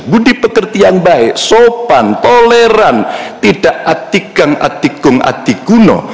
budi pekerti yang baik sopan toleran tidak atikang atikung atikuno